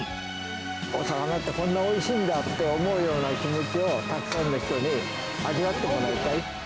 お魚ってこんなおいしいんだって思うような気持ちを、たくさんの人に味わってもらいたい。